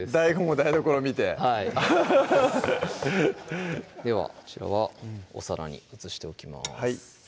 ＤＡＩＧＯも台所見てはいではこちらはお皿に移しておきます